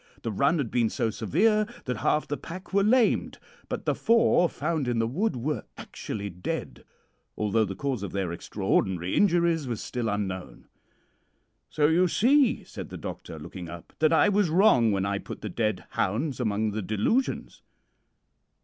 The run had been so severe that half the pack were lamed; but the four found in the wood were actually dead, although the cause of their extraordinary injuries was still unknown. "'So, you see,' said the doctor, looking up, 'that I was wrong when I put the dead hounds among the delusions.'